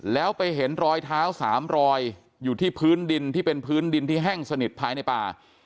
แล้วไปเห็นรอยเท้า๓รอยอยู่ที่พื้นดินที่เป็นพื้นดินที่แห้งสนิทภายในป่า